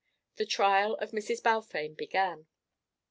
The trial of Mrs. Balfame began.